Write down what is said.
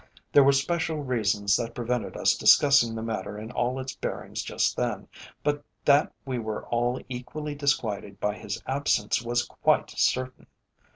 There were special reasons that prevented us discussing the matter in all its bearings just then, but that we were all equally disquieted by his absence was quite certain.